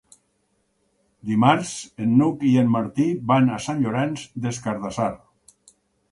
Dimarts n'Hug i en Martí van a Sant Llorenç des Cardassar.